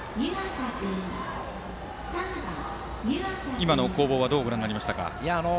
今の攻防はどうご覧になりましたか。